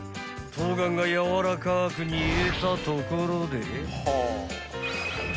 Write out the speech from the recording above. ［冬瓜がやわらかく煮えたところで］